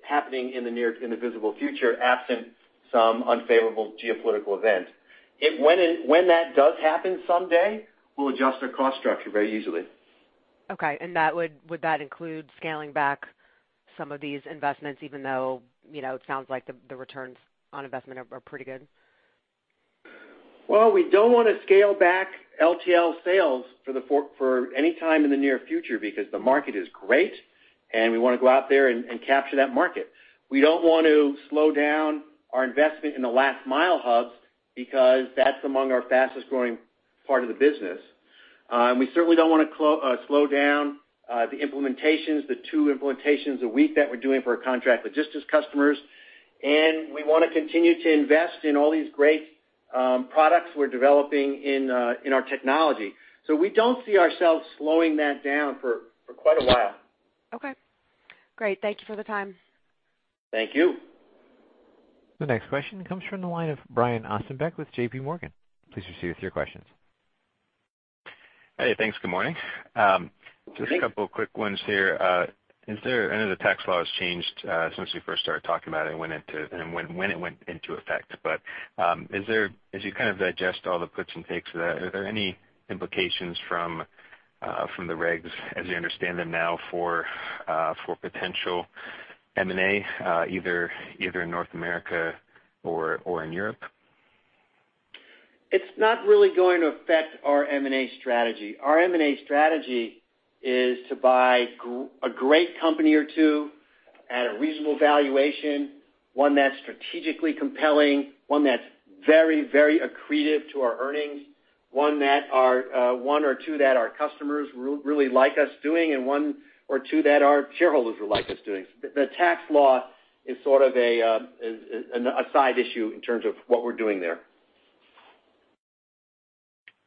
happening in the near term in the visible future, absent some unfavorable geopolitical event. When that does happen someday, we'll adjust our cost structure very easily. Okay. And that would include scaling back some of these investments, even though, you know, it sounds like the returns on investment are pretty good? Well, we don't wanna scale back LTL sales for any time in the near future because the market is great, and we wanna go out there and capture that market. We don't want to slow down our investment in the last mile hubs, because that's among our fastest-growing part of the business. And we certainly don't wanna slow down the implementations, the two implementations a week that we're doing for our contract logistics customers, and we wanna continue to invest in all these great products we're developing in our technology. So we don't see ourselves slowing that down for quite a while. Okay. Great. Thank you for the time. Thank you. The next question comes from the line of Brian Ossenbeck with JPMorgan. Please proceed with your questions. Hey, thanks. Good morning. Good day. Just a couple of quick ones here. Is there—I know the tax law has changed, since we first started talking about it and went into—and when, when it went into effect. But, is there—as you kind of digest all the puts and takes of that, are there any implications from, from the regs as you understand them now for, for potential M&A, either, either in North America or, or in Europe? It's not really going to affect our M&A strategy. Our M&A strategy is to buy a great company or two at a reasonable valuation, one that's strategically compelling, one that's very, very accretive to our earnings, one or two that our customers really like us doing, and one or two that our shareholders would like us doing. The tax law is sort of a side issue in terms of what we're doing there.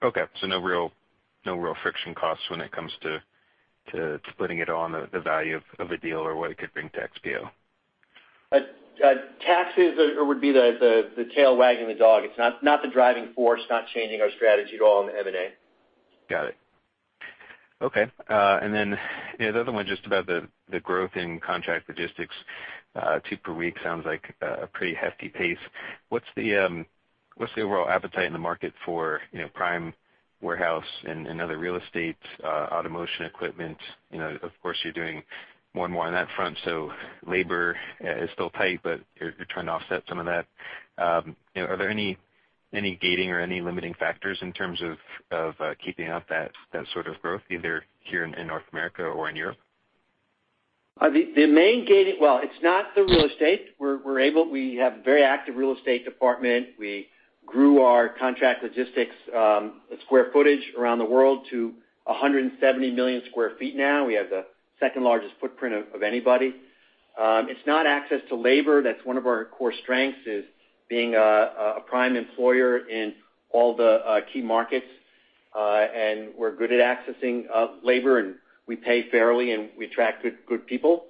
Okay, so no real friction costs when it comes to putting it on the value of a deal or what it could bring to XPO? Taxes would be the tail wagging the dog. It's not the driving force, not changing our strategy at all in the M&A. Got it. Okay, and then, you know, the other one, just about the growth in contract logistics. Two per week sounds like a pretty hefty pace. What's the overall appetite in the market for, you know, prime warehouse and other real estate, automation equipment? You know, of course, you're doing more and more on that front, so labor is still tight, but you're trying to offset some of that. You know, are there any gating or any limiting factors in terms of keeping up that sort of growth, either here in North America or in Europe? The main gating... Well, it's not the real estate. We're able—we have a very active real estate department. We grew our Contract Logistics square footage around the world to 170 million sq ft now. We have the second-largest footprint of anybody. It's not access to labor. That's one of our core strengths, is being a prime employer in all the key markets. And we're good at accessing labor, and we pay fairly, and we attract good people.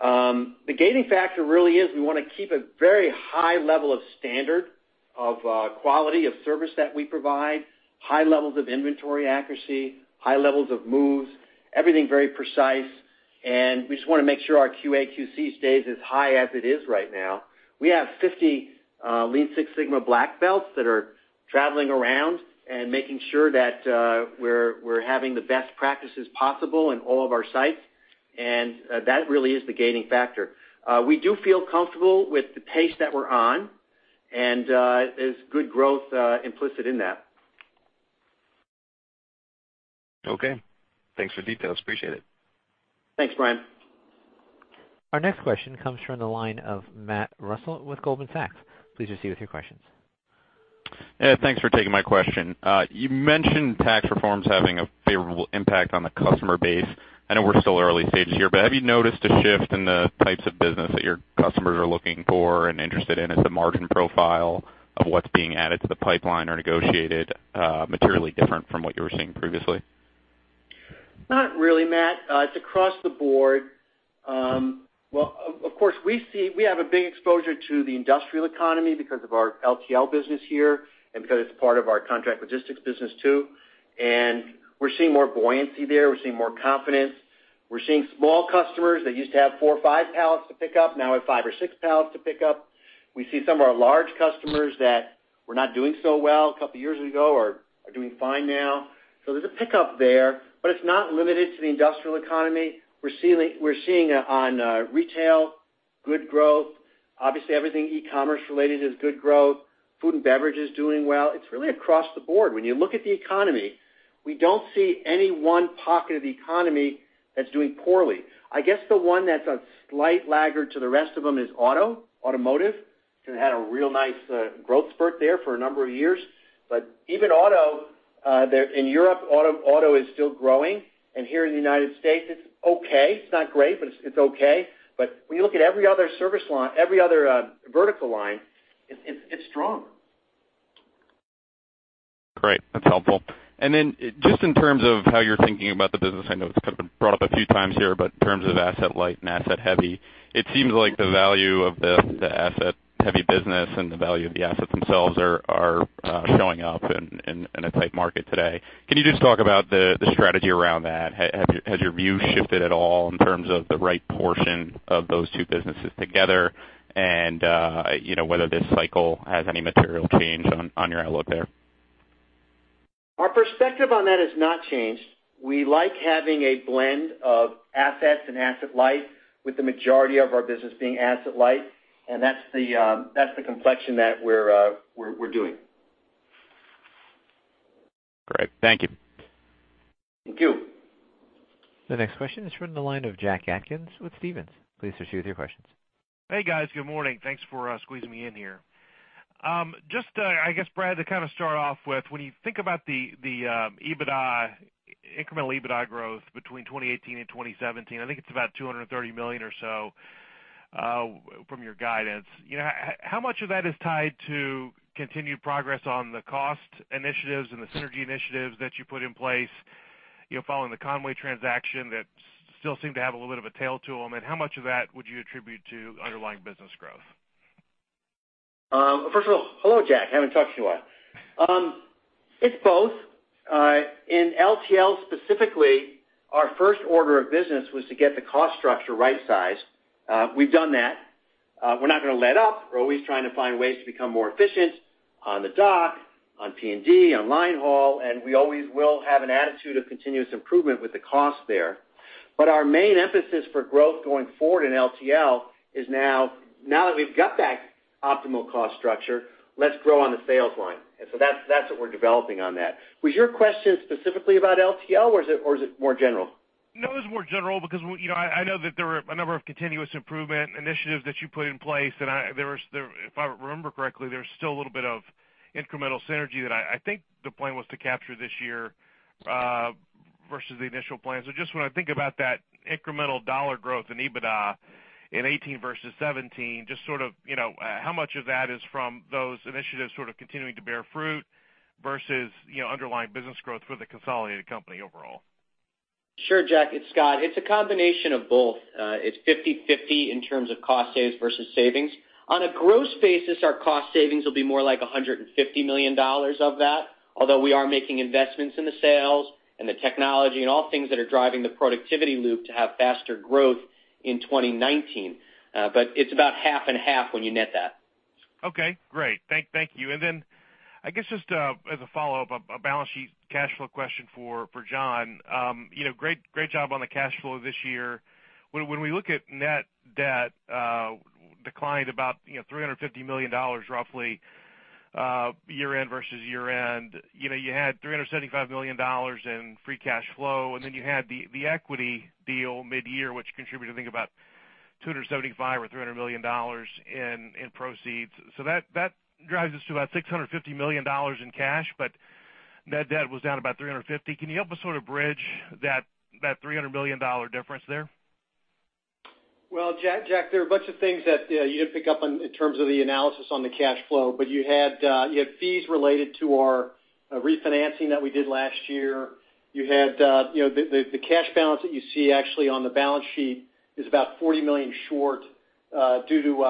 The gating factor really is we wanna keep a very high level of standard of quality, of service that we provide, high levels of inventory accuracy, high levels of moves, everything very precise, and we just wanna make sure our QA, QC stays as high as it is right now. We have 50 Lean Six Sigma Black Belts that are traveling around and making sure that we're having the best practices possible in all of our sites, and that really is the gating factor. We do feel comfortable with the pace that we're on, and there's good growth implicit in that. Okay. Thanks for the details. Appreciate it. Thanks, Brian. Our next question comes from the line of Matt Reustle with Goldman Sachs. Please proceed with your questions. Yeah, thanks for taking my question. You mentioned tax reforms having a favorable impact on the customer base. I know we're still early stages here, but have you noticed a shift in the types of business that your customers are looking for and interested in? Is the margin profile of what's being added to the pipeline or negotiated, materially different from what you were seeing previously? Not really, Matt. It's across the board. Well, of course, we see—we have a big exposure to the industrial economy because of our LTL business here and because it's part of our contract logistics business, too. And we're seeing more buoyancy there. We're seeing more confidence. We're seeing small customers that used to have four or five pallets to pick up, now have five or six pallets to pick up. We see some of our large customers that were not doing so well a couple of years ago, are doing fine now. So there's a pickup there, but it's not limited to the industrial economy. We're seeing—we're seeing on retail, good growth. Obviously, everything e-commerce related is good growth. Food and beverage is doing well. It's really across the board. When you look at the economy, we don't see any one pocket of the economy that's doing poorly. I guess the one that's a slight laggard to the rest of them is auto, automotive, which had a real nice growth spurt there for a number of years. But even auto there in Europe, auto is still growing, and here in the United States, it's okay. It's not great, but it's okay. But when you look at every other service line, every other vertical line, it's strong. Great, that's helpful. And then just in terms of how you're thinking about the business, I know it's kind of been brought up a few times here, but in terms of asset light and asset heavy, it seems like the value of the asset-heavy business and the value of the assets themselves are showing up in a tight market today. Can you just talk about the strategy around that? Has your view shifted at all in terms of the right portion of those two businesses together, and you know, whether this cycle has any material change on your outlook there? Our perspective on that has not changed. We like having a blend of assets and asset light, with the majority of our business being asset light, and that's the complexion that we're doing. Great. Thank you. Thank you. The next question is from the line of Jack Atkins with Stephens. Please proceed with your questions. Hey, guys. Good morning. Thanks for squeezing me in here. Just, I guess, Brad, to kind of start off with, when you think about the incremental EBITDA growth between 2018 and 2017, I think it's about $230 million or so from your guidance. You know, how much of that is tied to continued progress on the cost initiatives and the synergy initiatives that you put in place, you know, following the Con-way transaction that still seem to have a little bit of a tail to them, and how much of that would you attribute to underlying business growth? First of all, hello, Jack. I haven't talked to you in a while. It's both. In LTL specifically, our first order of business was to get the cost structure right-sized. We've done that. We're not going to let up. We're always trying to find ways to become more efficient on the dock, on P&D, on line haul, and we always will have an attitude of continuous improvement with the cost there. But our main emphasis for growth going forward in LTL is now, now that we've got that optimal cost structure, let's grow on the sales line. And so that's, that's what we're developing on that. Was your question specifically about LTL, or is it, or is it more general? No, it's more general, because, you know, I know that there were a number of continuous improvement initiatives that you put in place, and there was. If I remember correctly, there's still a little bit of incremental synergy that I think the plan was to capture this year versus the initial plan. So just when I think about that incremental dollar growth in EBITDA in 2018 versus 2017, just sort of, you know, how much of that is from those initiatives sort of continuing to bear fruit versus, you know, underlying business growth for the consolidated company overall? Sure, Jack, it's Scott. It's a combination of both. It's 50/50 in terms of cost saves versus savings. On a gross basis, our cost savings will be more like $150 million of that, although we are making investments in the sales and the technology and all things that are driving the productivity loop to have faster growth in 2019. But it's about half and half when you net that. Okay, great. Thank you. And then, I guess, just as a follow-up, a balance sheet cash flow question for John. You know, great job on the cash flow this year. When we look at net debt, it declined about, you know, $350 million roughly year-end versus year-end. You know, you had $375 million in free cash flow, and then you had the equity deal mid-year, which contributed, I think, about $275 million or $300 million in proceeds. So that drives us to about $650 million in cash, but net debt was down about $350 million. Can you help us sort of bridge that $300 million difference there? Well, Jack, Jack, there are a bunch of things that you didn't pick up on in terms of the analysis on the cash flow, but you had fees related to our refinancing that we did last year. You had, you know, the cash balance that you see actually on the balance sheet is about $40 million short due to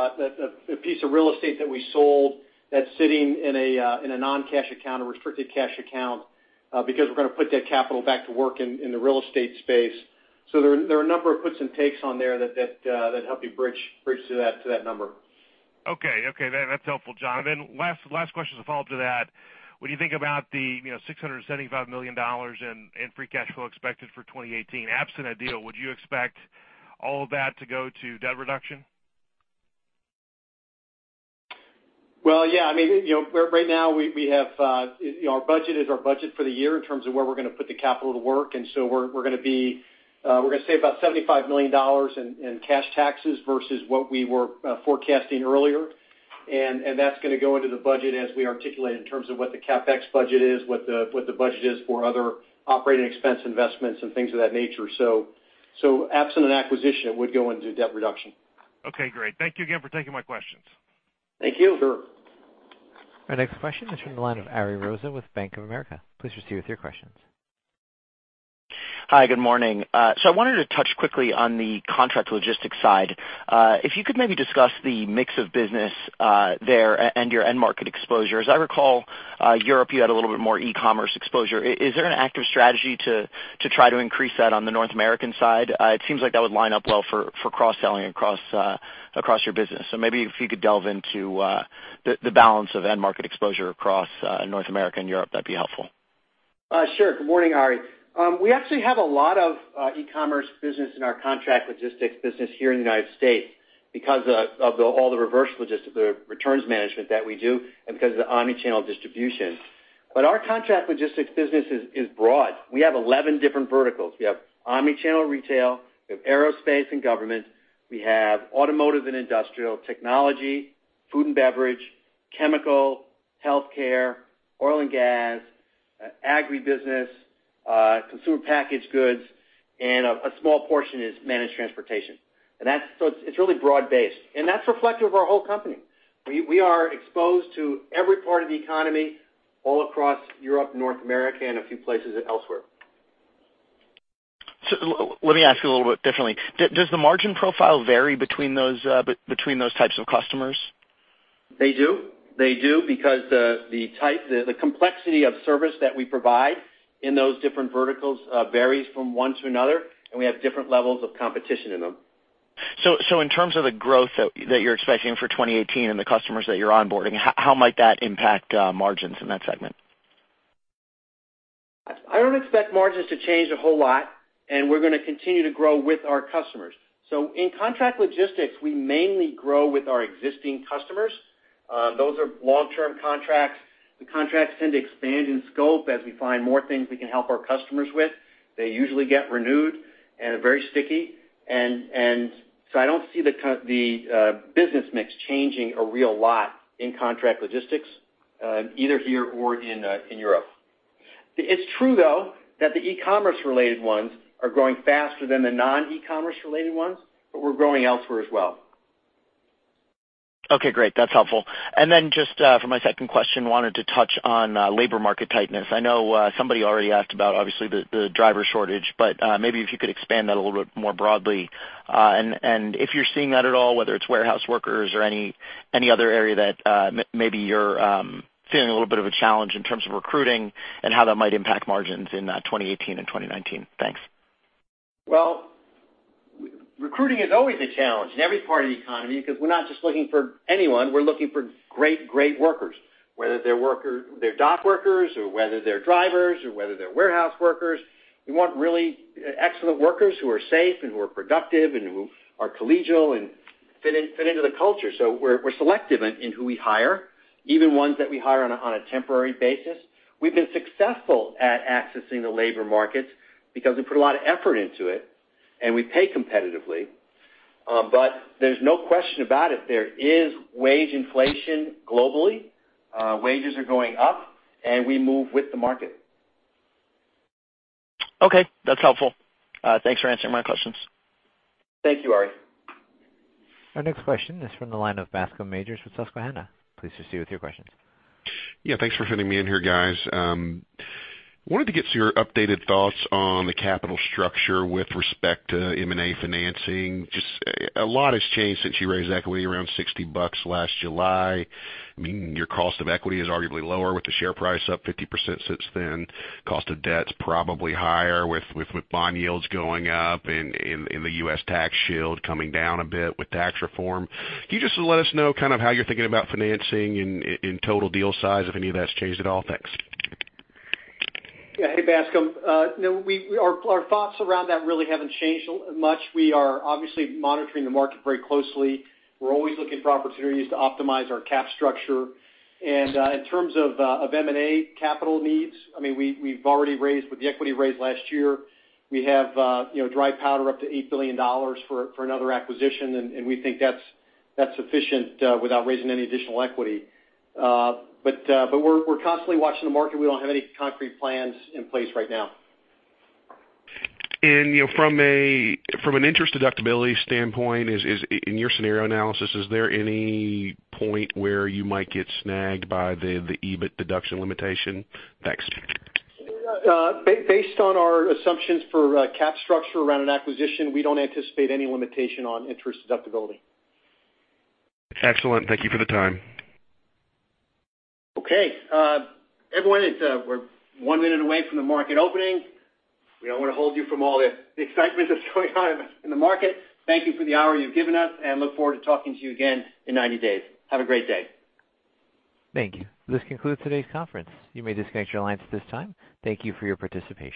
a piece of real estate that we sold that's sitting in a non-cash account, a restricted cash account, because we're going to put that capital back to work in the real estate space. So there are a number of puts and takes on there that help you bridge to that number. Okay. Okay, that's helpful, John. Then last question as a follow-up to that. When you think about the, you know, $675 million in free cash flow expected for 2018, absent a deal, would you expect all of that to go to debt reduction? Well, yeah, I mean, you know, right now we, we have, you know, our budget is our budget for the year in terms of where we're going to put the capital to work, and so we're, we're going to be, we're going to save about $75 million in cash taxes versus what we were forecasting earlier. And that's going to go into the budget as we articulate in terms of what the CapEx budget is, what the budget is for other operating expense investments and things of that nature. So absent an acquisition, it would go into debt reduction. Okay, great. Thank you again for taking my questions. Thank you. Sure. Our next question is from the line of Ari Rosa with Bank of America. Please proceed with your questions. Hi, good morning. So I wanted to touch quickly on the contract logistics side. If you could maybe discuss the mix of business there and your end market exposure. As I recall, Europe, you had a little bit more e-commerce exposure. Is there an active strategy to try to increase that on the North America side? It seems like that would line up well for cross-selling across your business. So maybe if you could delve into the balance of end market exposure across North America and Europe, that'd be helpful. Sure. Good morning, Ari. We actually have a lot of e-commerce business in our contract logistics business here in the United States because of all the reverse logistics, the returns management that we do, and because of the omnichannel distribution. But our contract logistics business is broad. We have 11 different verticals. We have omnichannel retail, we have aerospace and government, we have automotive and industrial, technology, food and beverage, chemical, healthcare, oil and gas, agribusiness, consumer packaged goods, and a small portion is managed transportation. And that's so it's really broad-based, and that's reflective of our whole company. We are exposed to every part of the economy all across Europe, North America, and a few places elsewhere. So let me ask you a little bit differently. Does the margin profile vary between those, between those types of customers? They do. They do, because the type, the complexity of service that we provide in those different verticals varies from one to another, and we have different levels of competition in them. So in terms of the growth that you're expecting for 2018 and the customers that you're onboarding, how might that impact margins in that segment? I don't expect margins to change a whole lot, and we're gonna continue to grow with our customers. So in contract logistics, we mainly grow with our existing customers. Those are long-term contracts. The contracts tend to expand in scope as we find more things we can help our customers with. They usually get renewed and are very sticky. And so I don't see the business mix changing a real lot in contract logistics, either here or in Europe. It's true, though, that the e-commerce related ones are growing faster than the non-e-commerce related ones, but we're growing elsewhere as well. Okay, great. That's helpful. And then just, for my second question, wanted to touch on, labor market tightness. I know, somebody already asked about, obviously, the driver shortage, but, maybe if you could expand that a little bit more broadly. And if you're seeing that at all, whether it's warehouse workers or any other area that, maybe you're, feeling a little bit of a challenge in terms of recruiting and how that might impact margins in, 2018 and 2019. Thanks. Well, recruiting is always a challenge in every part of the economy, because we're not just looking for anyone, we're looking for great, great workers. Whether they're dock workers, or whether they're drivers, or whether they're warehouse workers, we want really excellent workers who are safe and who are productive and who are collegial and fit in, fit into the culture. So we're selective in who we hire, even ones that we hire on a temporary basis. We've been successful at accessing the labor markets because we put a lot of effort into it, and we pay competitively. But there's no question about it, there is wage inflation globally. Wages are going up, and we move with the market. Okay, that's helpful. Thanks for answering my questions. Thank you, Ari. Our next question is from the line of Bascome Majors with Susquehanna. Please proceed with your questions. Yeah, thanks for fitting me in here, guys. Wanted to get your updated thoughts on the capital structure with respect to M&A financing. Just a lot has changed since you raised equity around $60 last July. I mean, your cost of equity is arguably lower, with the share price up 50% since then. Cost of debt is probably higher with bond yields going up and the U.S. tax shield coming down a bit with tax reform. Can you just let us know kind of how you're thinking about financing in total deal size, if any of that's changed at all? Thanks. Yeah. Hey, Bascome. No, our thoughts around that really haven't changed much. We are obviously monitoring the market very closely. We're always looking for opportunities to optimize our cap structure. And in terms of M&A capital needs, I mean, we've already raised with the equity raise last year. We have, you know, dry powder up to $8 billion for another acquisition, and we think that's sufficient without raising any additional equity. But we're constantly watching the market. We don't have any concrete plans in place right now. You know, from an interest deductibility standpoint, in your scenario analysis, is there any point where you might get snagged by the EBIT deduction limitation? Thanks. Based on our assumptions for cap structure around an acquisition, we don't anticipate any limitation on interest deductibility. Excellent. Thank you for the time. Okay. Everyone, we're 1 minute away from the market opening. We don't want to hold you from all the excitement that's going on in the market. Thank you for the hour you've given us, and look forward to talking to you again in 90 days. Have a great day. Thank you. This concludes today's conference. You may disconnect your lines at this time. Thank you for your participation.